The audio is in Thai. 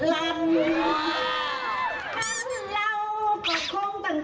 คำเราก็คงต้องกินแจ้ง